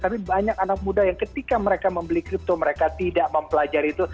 tapi banyak anak muda yang ketika mereka membeli kripto mereka tidak mempelajari itu